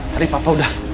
tadi papa udah